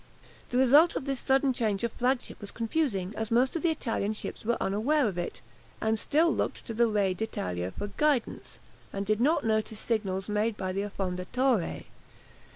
The result of this sudden change of flagship was confusing, as most of the Italian ships were unaware of it, and still looked to the "Re d' Italia" for guidance, and did not notice signals made by the "Affondatore."